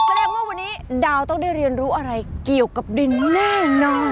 แสดงว่าวันนี้ดาวต้องได้เรียนรู้อะไรเกี่ยวกับดินแน่นอน